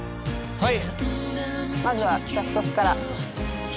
はい。